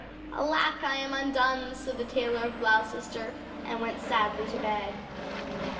"Alack, I am undone!" said the Tailor of Gloucester, and went sadly to bed.